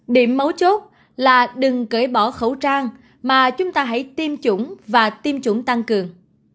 điểm mấu chốt là đừng cởi bỏ khẩu trang mà chúng ta hãy tiêm chủng và tiêm chủng tăng cường